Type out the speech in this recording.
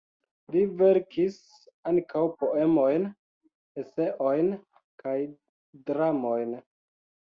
Li verkis ankaŭ poemojn, eseojn kaj dramojn.